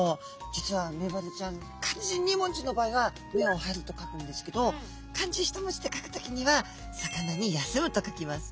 実はメバルちゃん漢字２文字の場合は「目を張る」と書くんですけど漢字１文字で書く時には「魚」に「休む」と書きます。